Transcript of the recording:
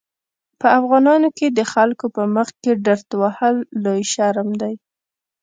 په افغانانو کې د خلکو په مخکې ډرت وهل لوی شرم دی.